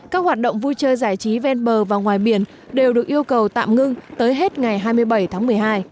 các hoạt động vui chơi giải trí ven bờ và ngoài biển đều được yêu cầu tạm ngưng tới hết ngày hai mươi bảy tháng một mươi hai